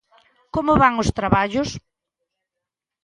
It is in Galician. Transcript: Como van os traballos.